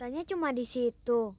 katanya cuma disitu